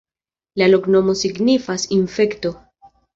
La loknomo signifas: infekto.